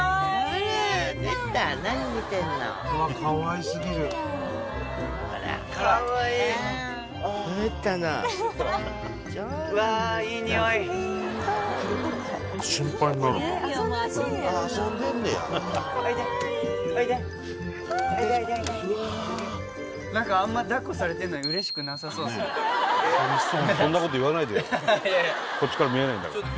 こっちから見えないんだから。